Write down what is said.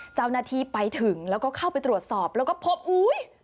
เจ้าหน้าที่ไปถึงแล้วก็เข้าไปตรวจสอบแล้วก็พบอุ้ย